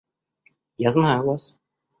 Я знаю вас.